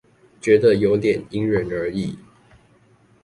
覺得有點因人而異